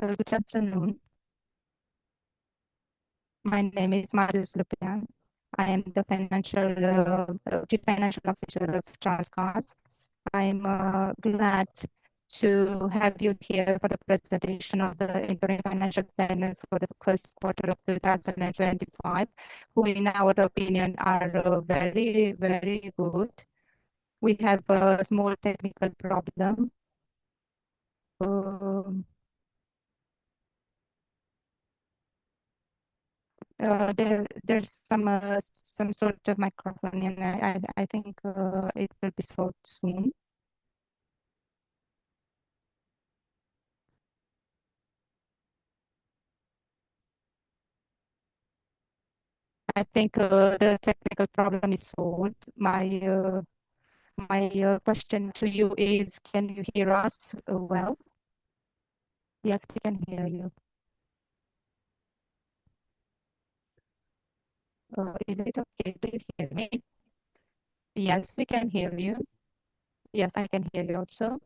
Good afternoon. My name is Marius Lupian. I am the Chief Financial Officer of Transgaz. I'm glad to have you here for the presentation of the Interim Financial Statements for the first quarter of 2025, which, in our opinion, are very, very good. We have a small technical problem. There's some sort of microphone in there. I think it will be solved soon. I think the technical problem is solved. My question to you is, can you hear us well? Yes, we can hear you. Is it okay? Do you hear me? Yes, we can hear you. Yes, I can hear you also.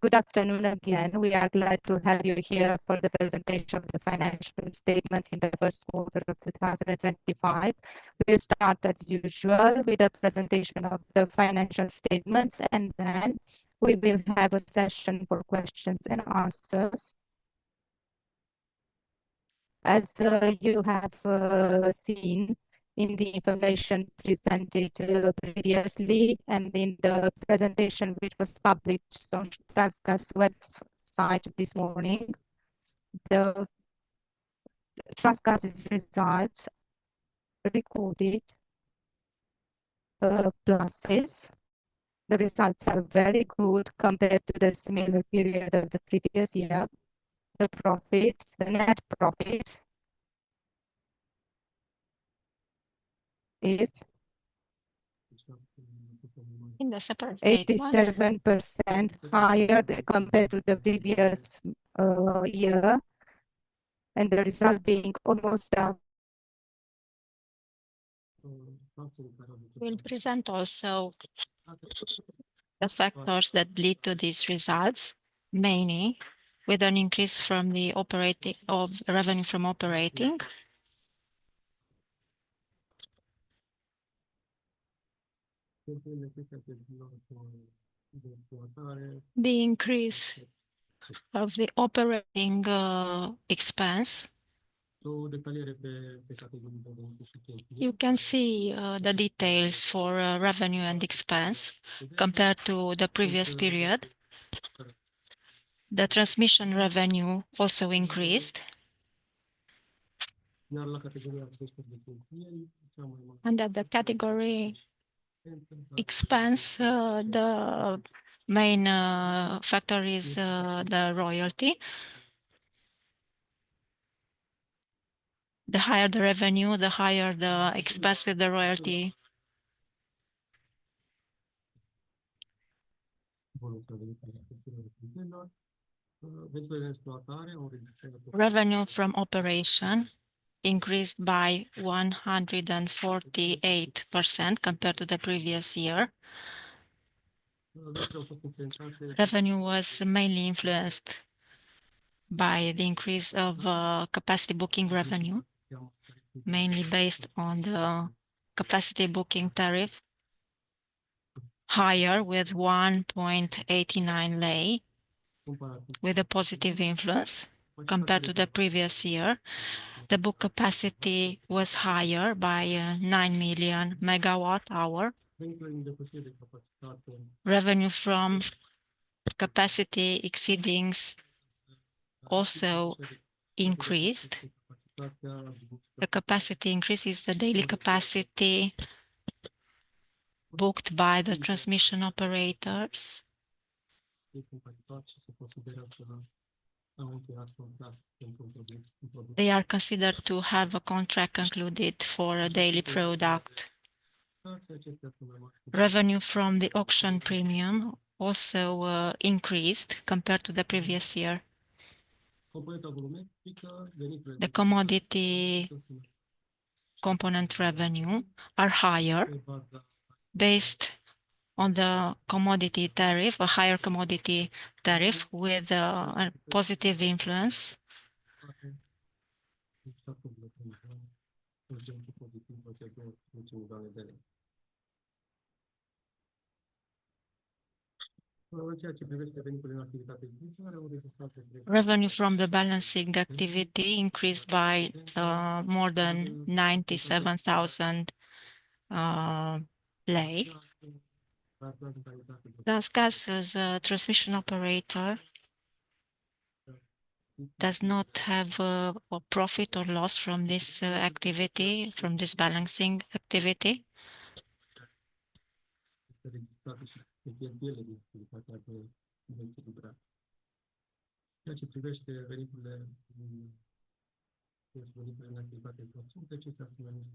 Good afternoon again. We are glad to have you here for the presentation of the financial statements in the first quarter of 2025. We'll start, as usual, with the presentation of the financial statements, and then we will have a session for questions and answers. As you have seen in the information presented previously and in the presentation which was published on Transgaz's website this morning, Transgaz's results recorded pluses. The results are very good compared to the similar period of the previous year. The net profit is 87% higher compared to the previous year, and the result being almost. We'll present also the factors that lead to these results, mainly with an increase from the revenue from operating. The increase of the operating expense. You can see the details for revenue and expense compared to the previous period. The transmission revenue also increased. At the category expense, the main factor is the royalty. The higher the revenue, the higher the expense with the royalty. Revenue from operation increased by 148% compared to the previous year. Revenue was mainly influenced by the increase of capacity booking revenue, mainly based on the capacity booking tariff, higher with RON 1.89, with a positive influence compared to the previous year. The booked capacity was higher by 9 million megawatt-hour. Revenue from capacity exceedings also increased. The capacity increase is the daily capacity booked by the transmission operators. They are considered to have a contract concluded for a daily product. Revenue from the auction premium also increased compared to the previous year. The commodity component revenue is higher based on the commodity tariff, a higher commodity tariff with a positive influence. Revenue from the balancing activity increased by more than RON 97,000. Transgaz's transmission operator does not have a profit or loss from this activity, from this balancing activity.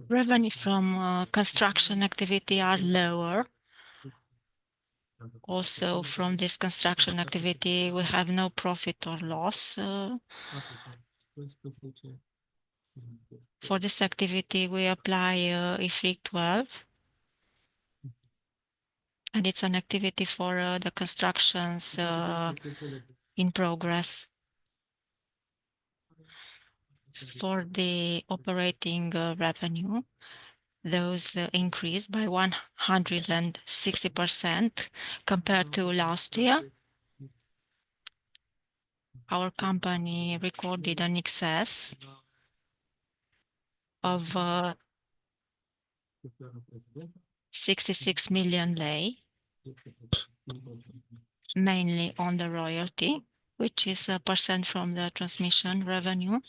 Revenue from construction activity is lower. Also, from this construction activity, we have no profit or loss. For this activity, we apply IFRIC 12, and it's an activity for the constructions in progress. For the operating revenue, those increased by 160% compared to last year. Our company recorded an excess of RON 66 million, mainly on the royalty, which is a percent from the transmission revenue.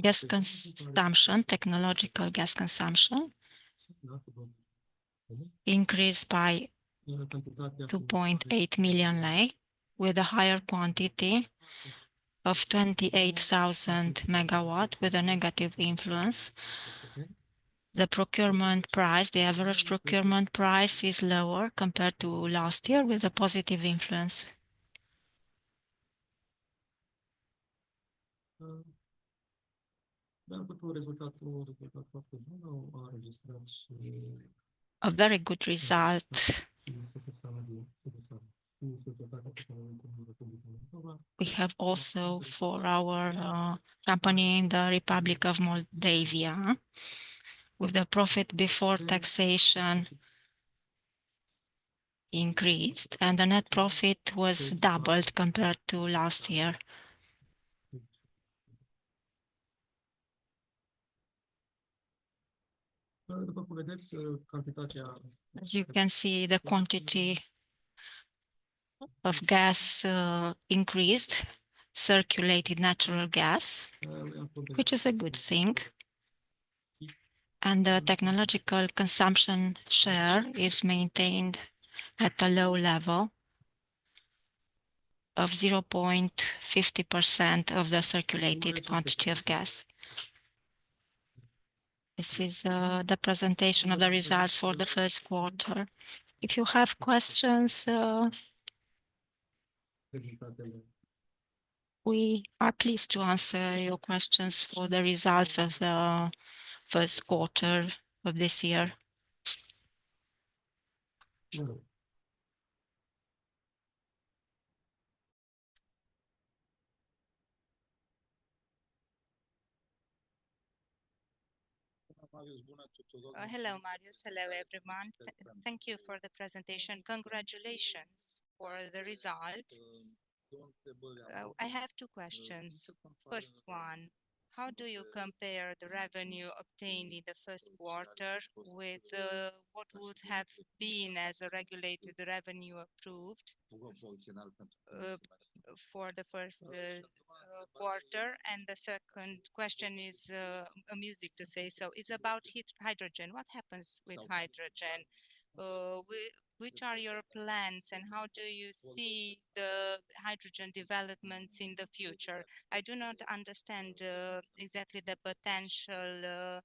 Gas consumption, technological gas consumption, increased by RON 2.8 million, with a higher quantity of 28,000 megawatt-hours, with a negative influence. The procurement price, the average procurement price, is lower compared to last year, with a positive influence. A very good result. We have also, for our company in the Republic of Moldova, with the profit before taxation increased, and the net profit was doubled compared to last year. As you can see, the quantity of gas increased, circulated natural gas, which is a good thing. The technological consumption share is maintained at a low level of 0.50% of the circulated quantity of gas. This is the presentation of the results for the first quarter. If you have questions, we are pleased to answer your questions for the results of the first quarter of this year. Hello, Marius. Hello, everyone. Thank you for the presentation. Congratulations for the result. I have two questions. First one, how do you compare the revenue obtained in the first quarter with what would have been as regulated revenue approved for the first quarter? The second question is amusing to say. It is about hydrogen. What happens with hydrogen? Which are your plans, and how do you see the hydrogen developments in the future? I do not understand exactly the potential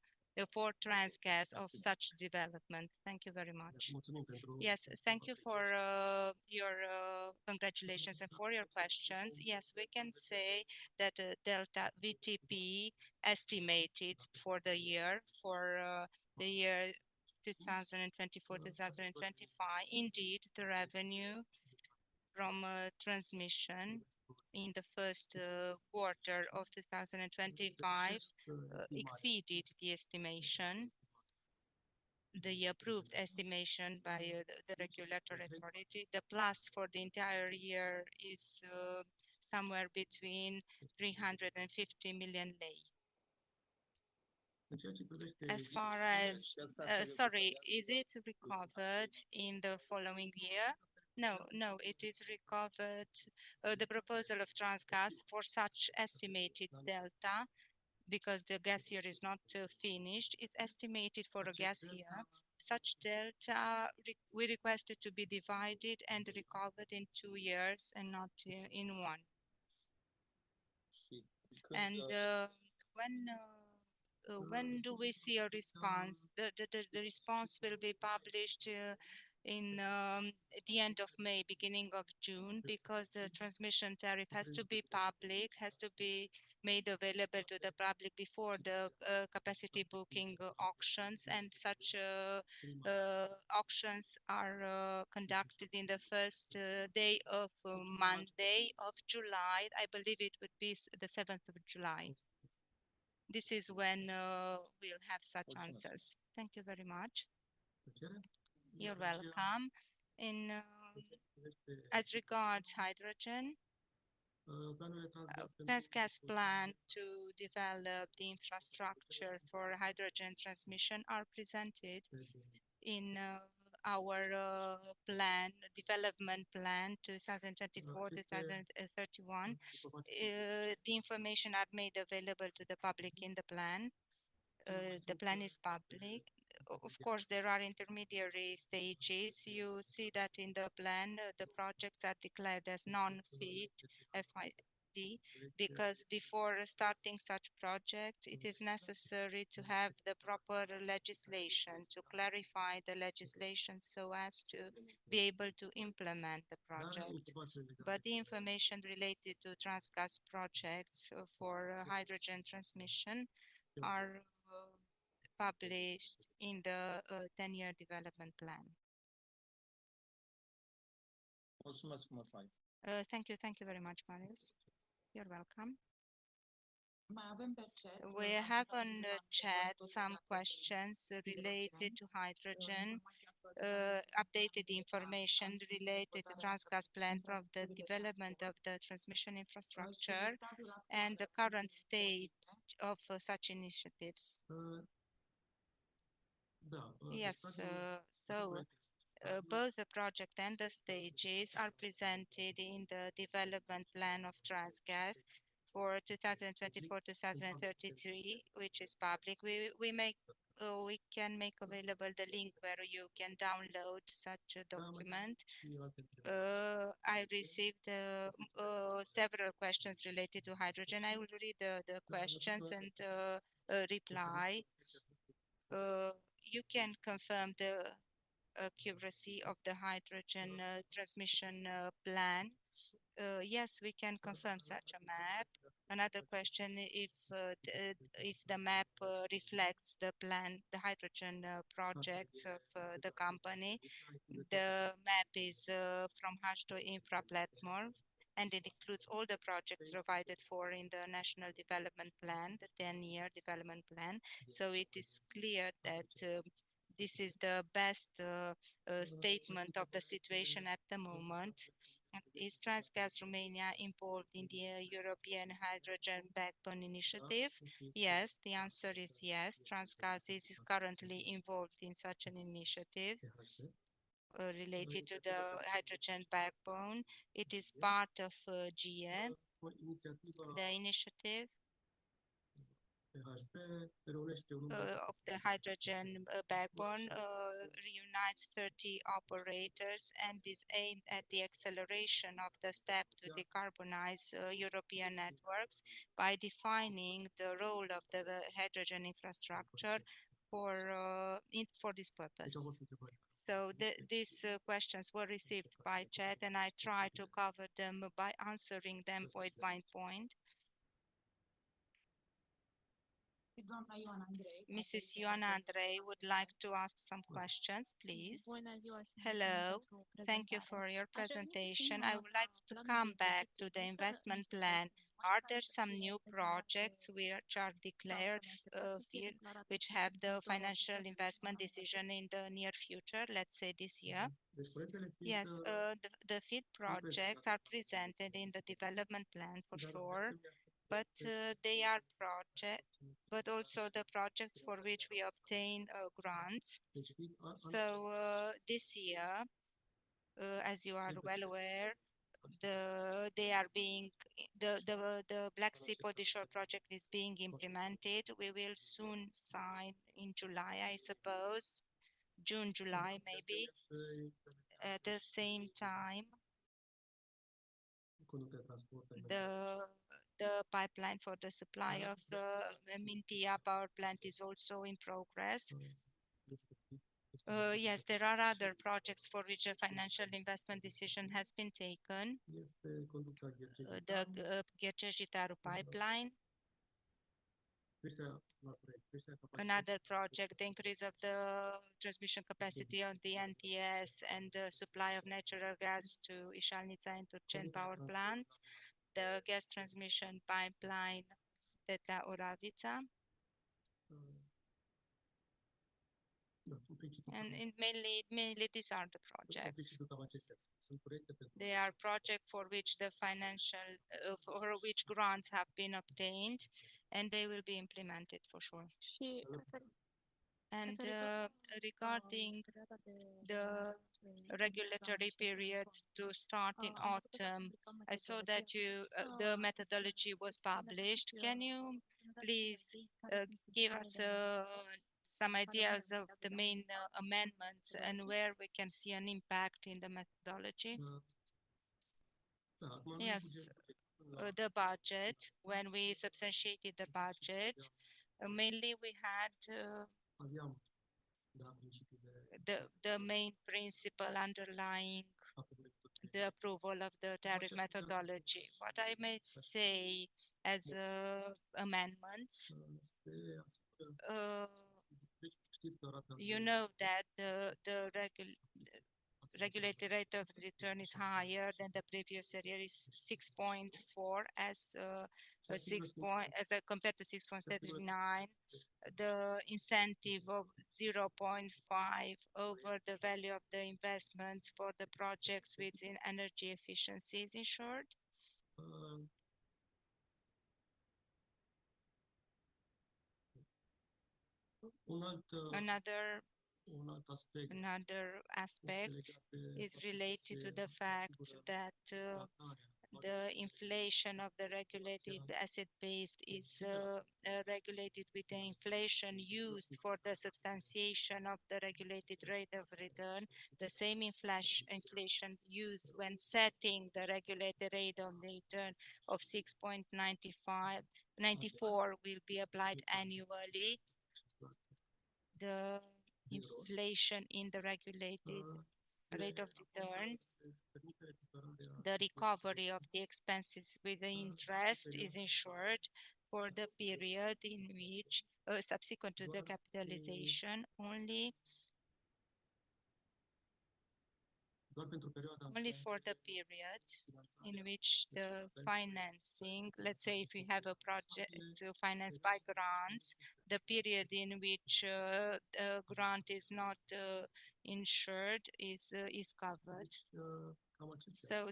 for Transgaz of such development. Thank you very much. Yes, thank you for your congratulations and for your questions. Yes, we can say that the delta VTP estimated for the year 2024-2025, indeed, the revenue from transmission in the first quarter of 2025 exceeded the estimation, the approved estimation by the regulatory authority. The plus for the entire year is somewhere between RON 350 million. As far as, sorry, is it recovered in the following year? No, no, it is recovered. The proposal of Transgaz for such estimated delta, because the gas year is not finished, is estimated for a gas year. Such delta we requested to be divided and recovered in two years and not in one. When do we see a response? The response will be published at the end of May, beginning of June, because the transmission tariff has to be public, has to be made available to the public before the capacity booking auctions. Such auctions are conducted on the first day of Monday of July. I believe it would be the 7th of July. This is when we'll have such answers. Thank you very much. You're welcome. As regards hydrogen, Transgaz's plan to develop the infrastructure for hydrogen transmission is presented in our development plan 2024-2031. The information is made available to the public in the plan. The plan is public. Of course, there are intermediary stages. You see that in the plan, the projects are declared as non-fit FID, because before starting such projects, it is necessary to have the proper legislation to clarify the legislation so as to be able to implement the project. The information related to Transgaz's projects for hydrogen transmission is published in the 10-year development plan. Thank you. Thank you very much, Marius. You're welcome. We have on the chat some questions related to hydrogen, updated information related to Transgaz's plan for the development of the transmission infrastructure and the current state of such initiatives. Yes, so both the project and the stages are presented in the development plan of Transgaz for 2024-2033, which is public. We can make available the link where you can download such a document. I received several questions related to hydrogen. I will read the questions and reply. You can confirm the accuracy of the hydrogen transmission plan. Yes, we can confirm such a map. Another question, if the map reflects the plan, the hydrogen projects of the company, the map is from H2 Infra Platform, and it includes all the projects provided for in the national development plan, the 10-year development plan. It is clear that this is the best statement of the situation at the moment. Is Transgaz Romania involved in the European Hydrogen Backbone Initiative? Yes, the answer is yes. Transgaz is currently involved in such an initiative related to the hydrogen backbone. It is part of the initiative of the hydrogen backbone, reunites 30 operators, and is aimed at the acceleration of the step to decarbonize European networks by defining the role of the hydrogen infrastructure for this purpose. These questions were received by chat, and I tried to cover them by answering them point by point. Mrs. Ioana Andrei would like to ask some questions, please. Hello. Thank you for your presentation. I would like to come back to the investment plan. Are there some new projects which are declared which have the financial investment decision in the near future, let's say this year? Yes, the FID projects are presented in the development plan, for sure, but they are projects, but also the projects for which we obtain grants. This year, as you are well aware, the Black Sea Onshore project is being implemented. We will soon sign in July, I suppose, June, July maybe, at the same time. The pipeline for the supply of the Mintea Power Plant is also in progress. Yes, there are other projects for which a financial investment decision has been taken. The Ghercești-Jitaru pipeline. Another project, the increase of the transmission capacity of the NTS and the supply of natural gas to Ișalnița and Turceni Power Plant, the gas transmission pipeline Tetra Oravița. Mainly, these are the projects. They are projects for which grants have been obtained, and they will be implemented, for sure. Regarding the regulatory period to start in autumn, I saw that the methodology was published. Can you please give us some ideas of the main amendments and where we can see an impact in the methodology? Yes, the budget, when we substantiated the budget, mainly we had the main principle underlying the approval of the tariff methodology. What I may say as amendments, you know that the regulatory rate of return is higher than the previous year, is 6.4% as compared to 6.79%, the incentive of 0.5% over the value of the investments for the projects within energy efficiencies insured. Another aspect is related to the fact that the inflation of the regulated asset base is regulated with the inflation used for the substantiation of the regulated rate of return. The same inflation used when setting the regulatory rate of return of 6.94% will be applied annually. The inflation in the regulated rate of return, the recovery of the expenses with the interest is insured for the period in which, subsequent to the capitalization, only for the period in which the financing, let's say if you have a project to finance by grants, the period in which the grant is not insured is covered.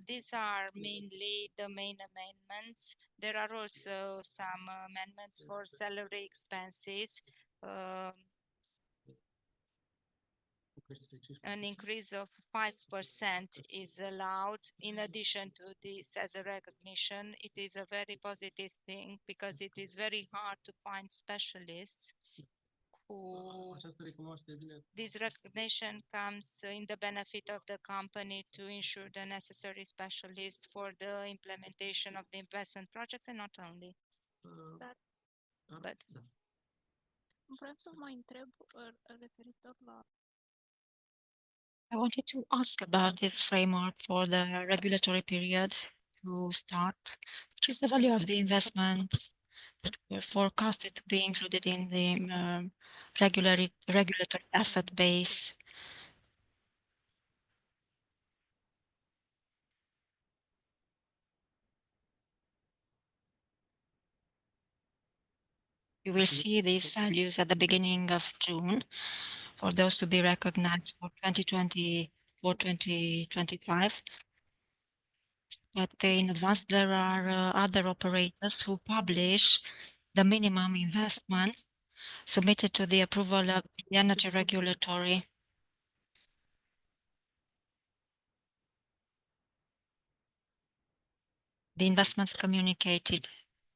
These are mainly the main amendments. There are also some amendments for salary expenses. An increase of 5% is allowed. In addition to this, as a recognition, it is a very positive thing because it is very hard to find specialists who this recognition comes in the benefit of the company to ensure the necessary specialists for the implementation of the investment projects and not only. I wanted to ask about this framework for the regulatory period to start, which is the value of the investments forecasted to be included in the regulatory asset base. You will see these values at the beginning of June for those to be recognized for 2025. In advance, there are other operators who publish the minimum investments submitted to the approval of the energy regulatory. The investments communicated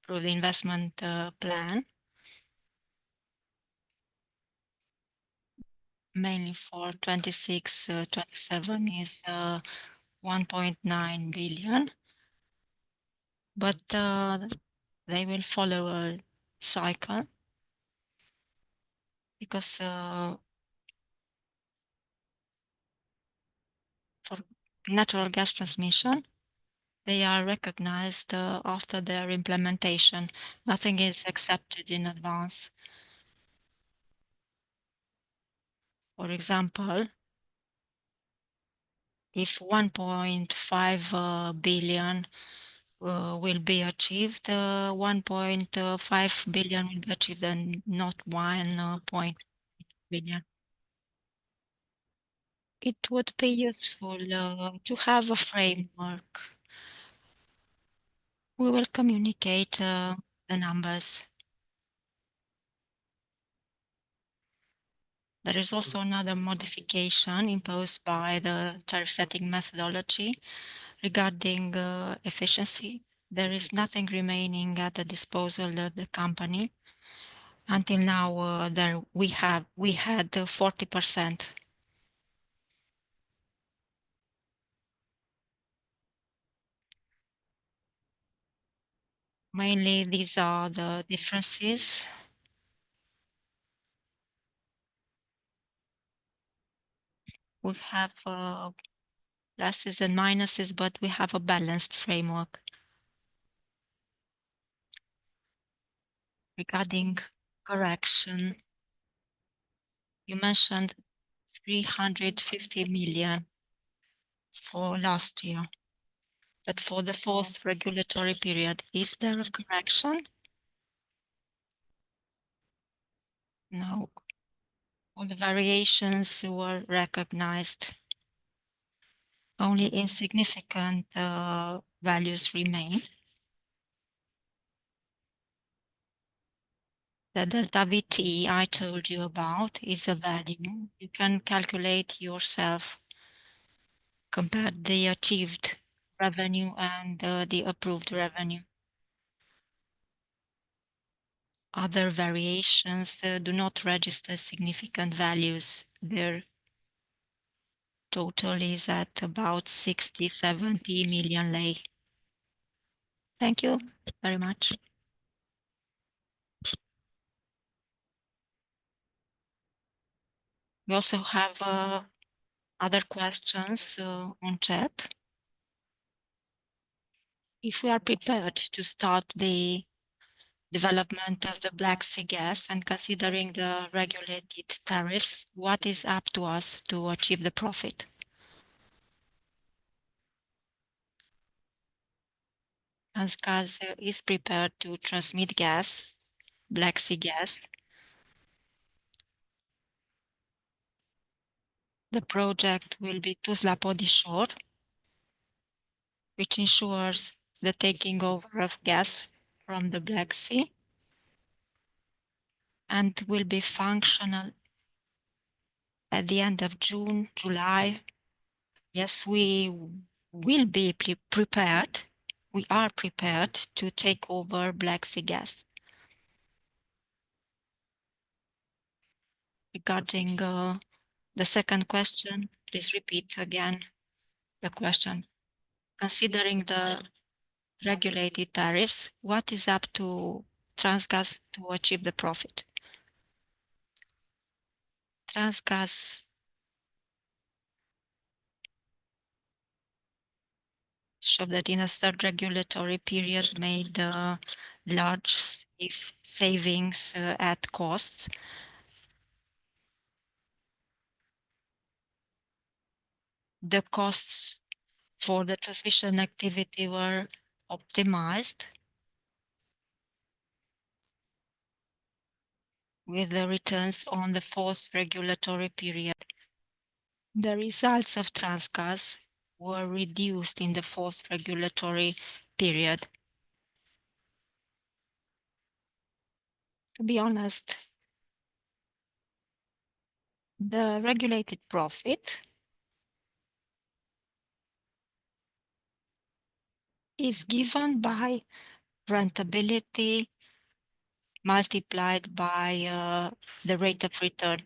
through the investment plan, mainly for 2026-2027, is RON 1.9 billion. They will follow a cycle because for natural gas transmission, they are recognized after their implementation. Nothing is accepted in advance. For example, if RON 1.5 billion will be achieved, RON 1.5 billion will be achieved and not RON 1.8 billion. It would be useful to have a framework. We will communicate the numbers. There is also another modification imposed by the tariff-setting methodology regarding efficiency. There is nothing remaining at the disposal of the company. Until now, we had 40%. Mainly, these are the differences. We have pluses and minuses, but we have a balanced framework regarding correction. You mentioned RON 350 million for last year, but for the fourth regulatory period, is there a correction? No. All the variations were recognized. Only insignificant values remain. The delta VT I told you about is a value. You can calculate yourself, compare the achieved revenue and the approved revenue. Other variations do not register significant values. Their total is at about RON 67 million. Thank you very much. We also have other questions on chat. If we are prepared to start the development of the Black Sea Gas and considering the regulated tariffs, what is up to us to achieve the profit? Transgaz is prepared to transmit gas, Black Sea Gas. The project will be Tuzla Onshore, which ensures the taking over of gas from the Black Sea and will be functional at the end of June, July. Yes, we will be prepared. We are prepared to take over Black Sea gas. Regarding the second question, please repeat again the question. Considering the regulated tariffs, what is up to Transgaz to achieve the profit? Transgaz showed that in a third regulatory period, made large savings at costs. The costs for the transmission activity were optimized with the returns on the fourth regulatory period. The results of Transgaz were reduced in the fourth regulatory period. To be honest, the regulated profit is given by rentability multiplied by the rate of return.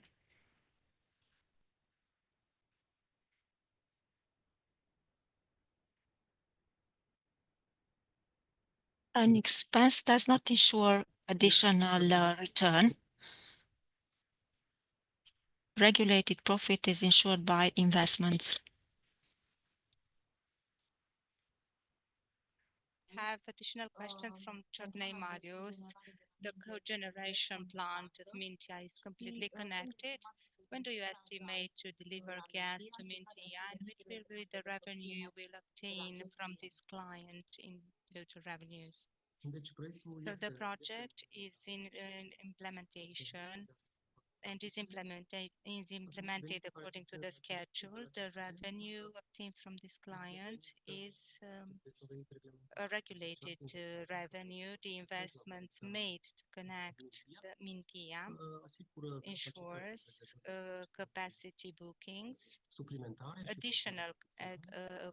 An expense does not ensure additional return. Regulated profit is ensured by investments. We have additional questions from Chudney Marius. The co-generation plant of Mintea is completely connected. When do you estimate to deliver gas to Mintea and which will be the revenue you will obtain from this client in total revenues? The project is in implementation and is implemented according to the schedule. The revenue obtained from this client is a regulated revenue. The investments made to connect Mintea ensures capacity bookings, additional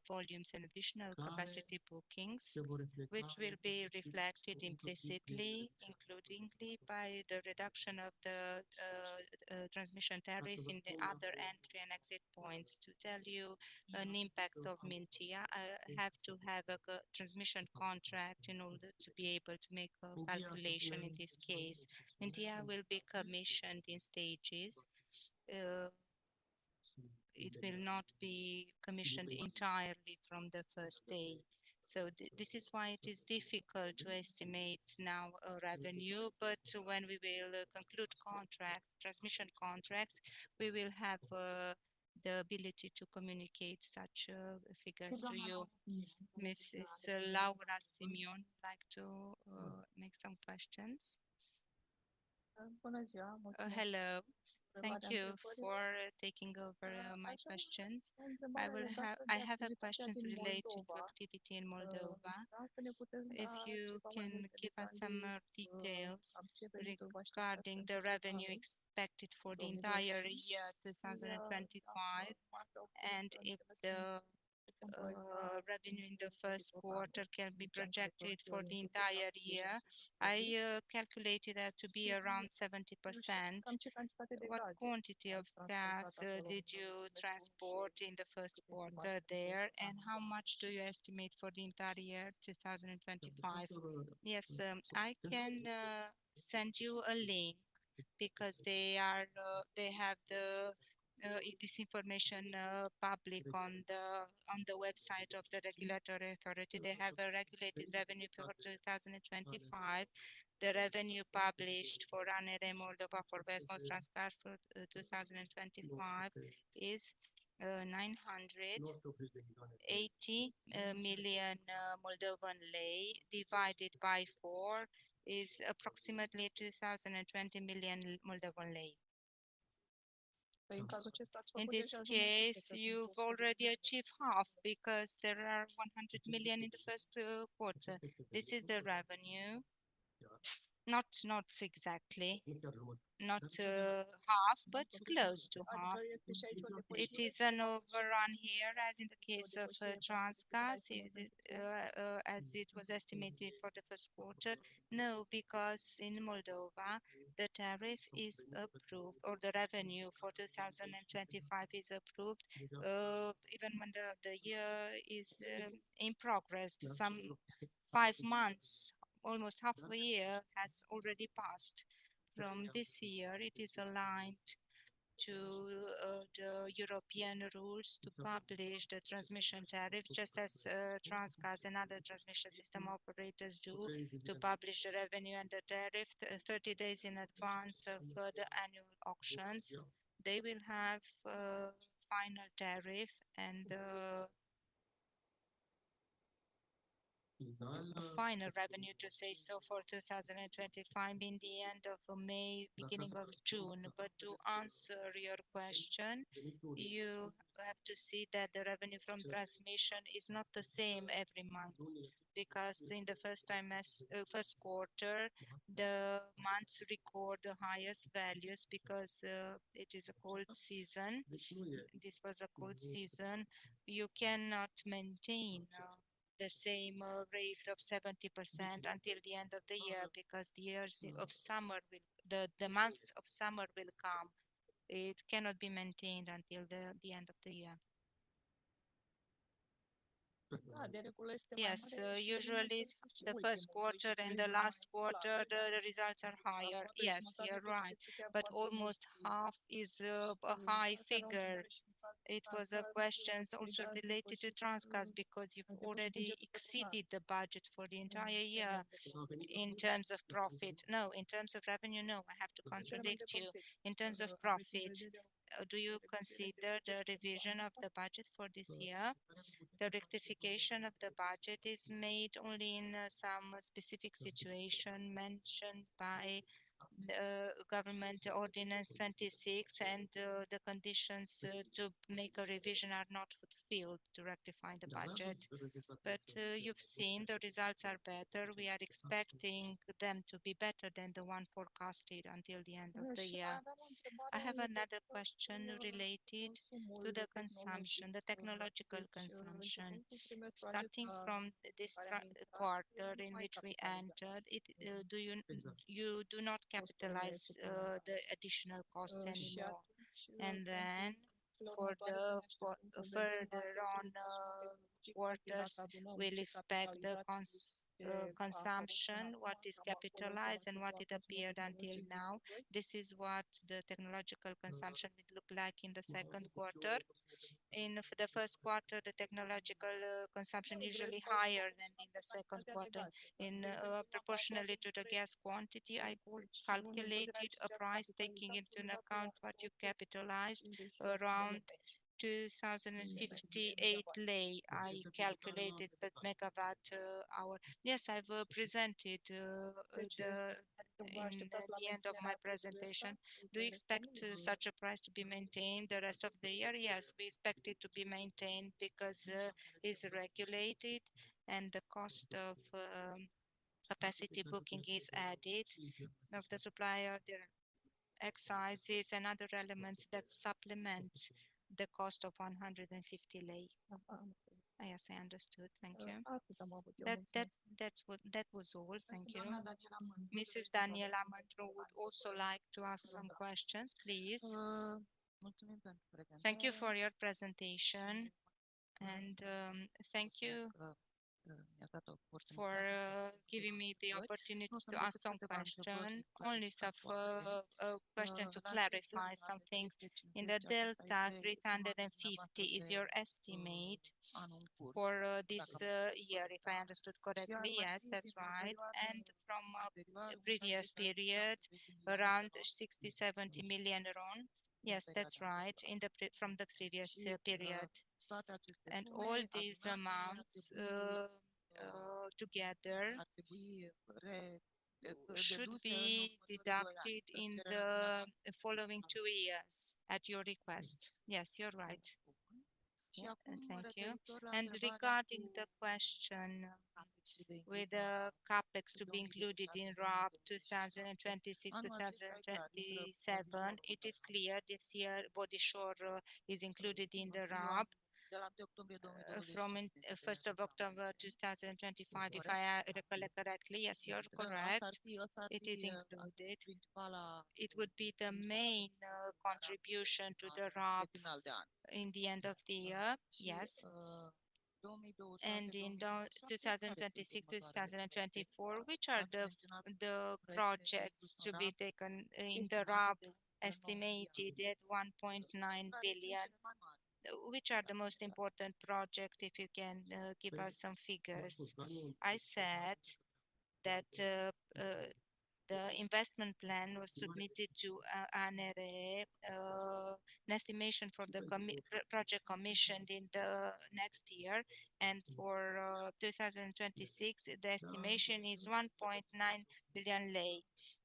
volumes, and additional capacity bookings, which will be reflected implicitly, including by the reduction of the transmission tariff in the other entry and exit points. To tell you an impact of Mintea, I have to have a transmission contract in order to be able to make a calculation in this case. Mintea will be commissioned in stages. It will not be commissioned entirely from the first day. This is why it is difficult to estimate now a revenue, but when we will conclude transmission contracts, we will have the ability to communicate such figures. Do you, Mrs. Laura Simeon, like to make some questions? Hello. Thank you for taking over my questions. I have a question related to activity in Moldova. If you can give us some details regarding the revenue expected for the entire year 2025 and if the revenue in the first quarter can be projected for the entire year. I calculated that to be around 70%. What quantity of gas did you transport in the first quarter there? And how much do you estimate for the entire year 2025? Yes, I can send you a link because they have this information public on the website of the regulatory authority. They have a regulated revenue for 2025. The revenue published for ANRE Moldova for Vestmoldtransgaz for 2025 is MDL 980 million divided by four is approximately MDL 245 million. In this case, you've already achieved half because there are MDL 100 million in the first quarter. This is the revenue. Not exactly. Not half, but close to half. It is an overrun here, as in the case of Transgaz, as it was estimated for the first quarter. No, because in Moldova, the tariff is approved or the revenue for 2025 is approved. Even when the year is in progress, some five months, almost half a year has already passed from this year. It is aligned to the European rules to publish the transmission tariff, just as Transgaz and other transmission system operators do, to publish the revenue and the tariff 30 days in advance of the annual auctions. They will have final tariff and final revenue, to say so, for 2025 in the end of May, beginning of June. To answer your question, you have to see that the revenue from transmission is not the same every month because in the first quarter, the months record the highest values because it is a cold season. This was a cold season. You cannot maintain the same rate of 70% until the end of the year because the months of summer will come. It cannot be maintained until the end of the year. Yes, usually the first quarter and the last quarter, the results are higher. Yes, you're right. Almost half is a high figure. It was a question also related to Transgaz because you've already exceeded the budget for the entire year in terms of profit. No, in terms of revenue, no. I have to contradict you. In terms of profit, do you consider the revision of the budget for this year? The rectification of the budget is made only in some specific situation mentioned by the government ordinance 26, and the conditions to make a revision are not fulfilled to rectify the budget. You have seen the results are better. We are expecting them to be better than the one forecasted until the end of the year. I have another question related to the consumption, the technological consumption. Starting from this quarter in which we entered, you do not capitalize the additional costs anymore. For the further on quarters, we will expect the consumption, what is capitalized and what it appeared until now. This is what the technological consumption would look like in the second quarter. In the first quarter, the technological consumption is usually higher than in the second quarter. Proportionally to the gas quantity, I calculated a price taking into account what you capitalized around RON 2,058. I calculated the megawatt hour. Yes, I have presented at the end of my presentation. Do you expect such a price to be maintained the rest of the year? Yes, we expect it to be maintained because it is regulated and the cost of capacity booking is added. Of the supplier, there are excises and other elements that supplement the cost of RON 150. Yes, I understood. Thank you. That was all. Thank you. Mrs. Daniela Mădrou would also like to ask some questions. Please. Thank you for your presentation. Thank you for giving me the opportunity to ask some questions. Only a question to clarify some things. In the delta 350, is your estimate for this year, if I understood correctly? Yes, that is right. From a previous period, around RON 60 million-RON 70 million. Yes, that's right. From the previous period. All these amounts together should be deducted in the following two years at your request. Yes, you're right. Thank you. Regarding the question with the CapEx to be included in RAB 2026-2027, it is clear this year Body Shore is included in the RAB from 1 October 2025, if I recollect correctly. Yes, you're correct. It is included. It would be the main contribution to the RAB at the end of the year. Yes. In 2026-2027, which are the projects to be taken in the RAB estimated at RON 1.9 billion? Which are the most important projects, if you can give us some figures? I said that the investment plan was submitted to ANRE. An estimation for the project commissioned in the next year. For 2026, the estimation is RON 1.9 billion.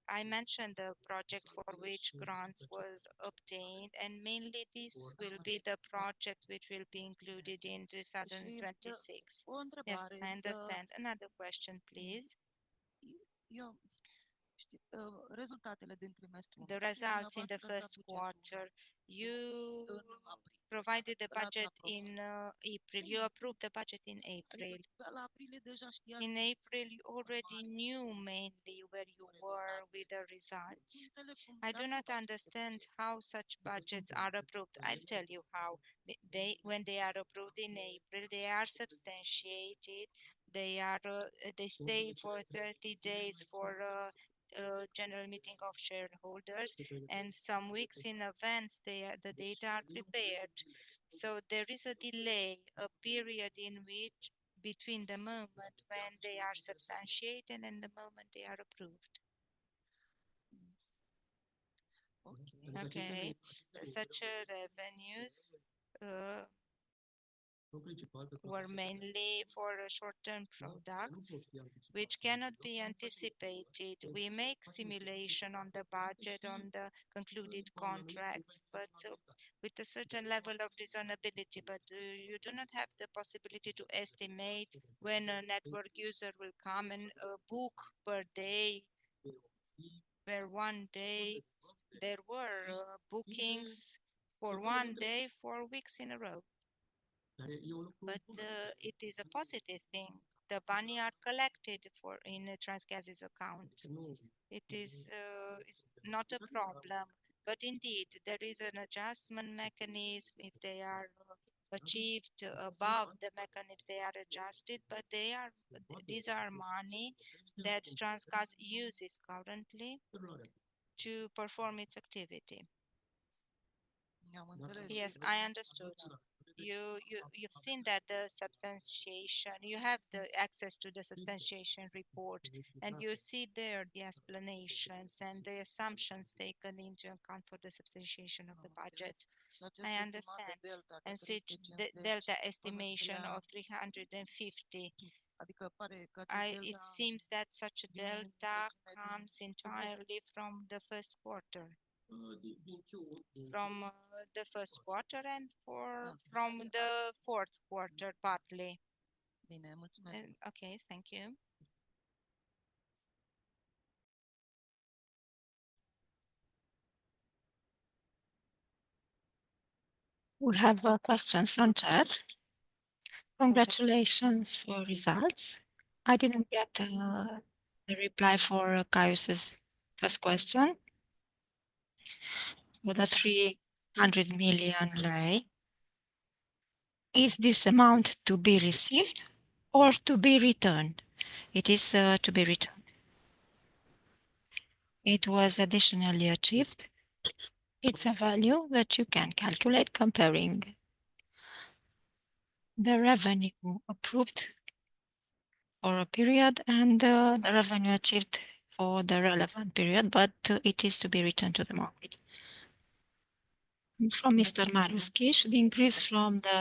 I mentioned the project for which grants were obtained, and mainly this will be the project which will be included in 2026. Yes, I understand. Another question, please. The results in the first quarter. You provided the budget in April. You approved the budget in April. In April, you already knew mainly where you were with the results. I do not understand how such budgets are approved. I'll tell you how. When they are approved in April, they are substantiated. They stay for 30 days for a general meeting of shareholders. And some weeks in advance, the data are prepared. There is a delay, a period in which between the moment when they are substantiated and the moment they are approved. Okay. Such revenues were mainly for short-term products, which cannot be anticipated. We make simulation on the budget, on the concluded contracts, but with a certain level of reasonability. You do not have the possibility to estimate when a network user will come and book per day, where one day there were bookings for one day, four weeks in a row. It is a positive thing. The money is collected in Transgaz's account. It is not a problem. Indeed, there is an adjustment mechanism if they are achieved above the mechanism if they are adjusted. These are money that Transgaz uses currently to perform its activity. Yes, I understood. You've seen that the substantiation, you have the access to the substantiation report, and you see there the explanations and the assumptions taken into account for the substantiation of the budget. I understand. The delta estimation of 350, it seems that such a delta comes entirely from the first quarter. From the first quarter and from the fourth quarter, partly. Okay, thank you. We have questions on chat. Congratulations for results. I did not get a reply for Caius's first question. For the RON 300 million, is this amount to be received or to be returned? It is to be returned. It was additionally achieved. It is a value that you can calculate comparing the revenue approved for a period and the revenue achieved for the relevant period, but it is to be returned to the market. From Mr. Marius Kish, the increase from the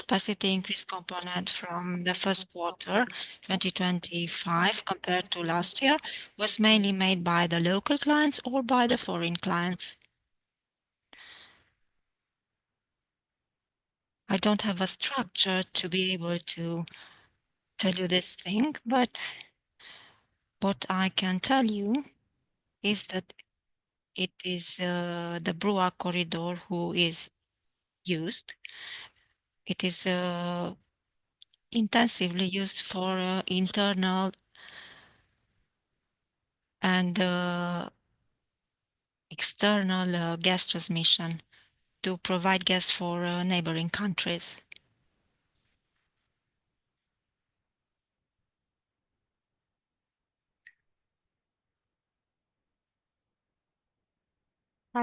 capacity increase component from the first quarter, 2025, compared to last year was mainly made by the local clients or by the foreign clients. I don't have a structure to be able to tell you this thing, but what I can tell you is that it is the BRUA corridor which is used. It is intensively used for internal and external gas transmission to provide gas for neighboring countries.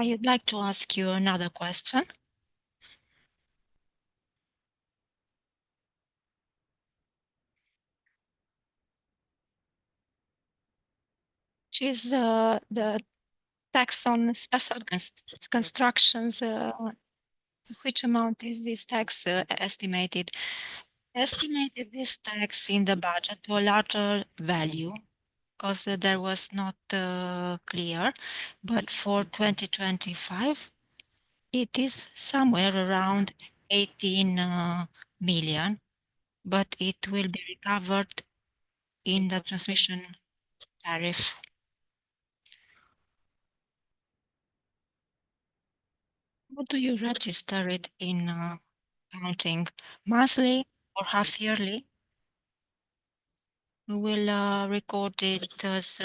I would like to ask you another question. Which is the tax on constructions, which amount is this tax estimated? Estimated this tax in the budget to a larger value because there was not clear, but for 2025, it is somewhere around RON 18 million, but it will be recovered in the transmission tariff. What do you register it in accounting, monthly or half-yearly? We will record it as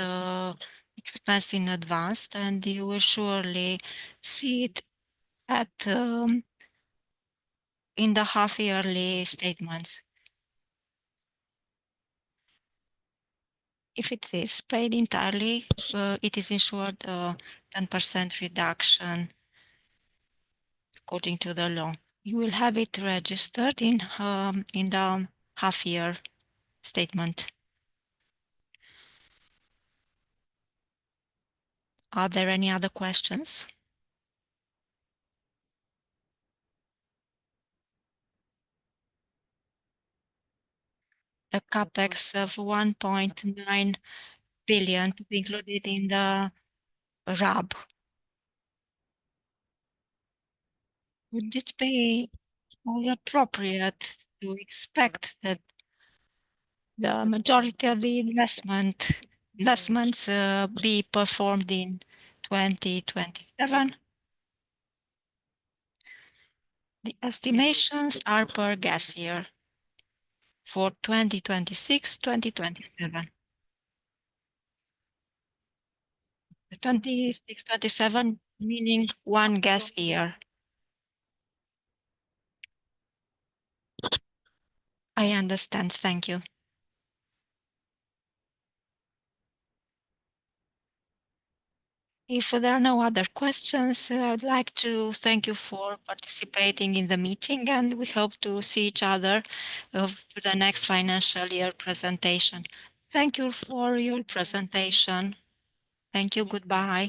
expense in advance, and you will surely see it in the half-yearly statements. If it is paid entirely, it is insured a 10% reduction according to the law. You will have it registered in the half-year statement. Are there any other questions? The CAPEX of RON 1.9 billion to be included in the RAB. Would it be more appropriate to expect that the majority of the investments be performed in 2027? The estimations are per gas year for 2026-2027. Twenty-six to twenty-seven, meaning one gas year. I understand. Thank you. If there are no other questions, I'd like to thank you for participating in the meeting, and we hope to see each other for the next financial year presentation. Thank you for your presentation. Thank you. Goodbye.